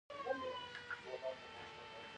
د ادرار د بندیدو لپاره په ګرمو اوبو کینئ